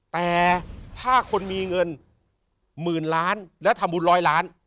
แต่ถ้าคนมีเงินหมื่นล้านแล้วทำบุญร้อยล้าน